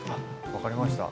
分かりました。